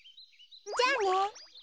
じゃあね。